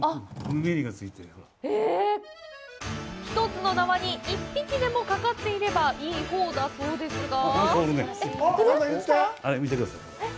１つの縄に一匹でもかかっていればいいほうだそうですが。